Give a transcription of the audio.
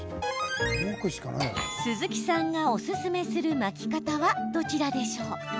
鈴木さんが、おすすめする巻き方はどちらでしょう。